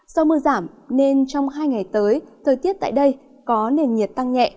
do mưa giảm nên trong hai ngày tới thời tiết tại đây có nền nhiệt tăng nhẹ